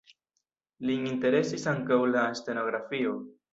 Lin interesis ankaŭ la stenografio.